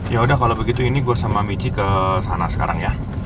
yaudah kalau begitu ini gue sama mici kesana sekarang ya